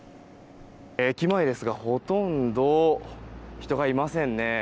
駅前ですがほとんど人がいませんね。